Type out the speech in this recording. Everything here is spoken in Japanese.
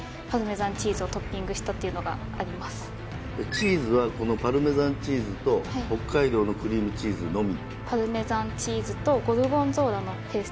チーズはこのパルメザンチーズと北海道のクリームチーズのみ？